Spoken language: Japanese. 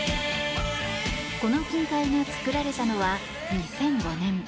この金塊が作られたのは２００５年。